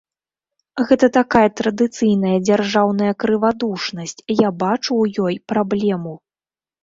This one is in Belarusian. Гэта такая традыцыйная дзяржаўная крывадушнасць, я бачу ў ёй праблему.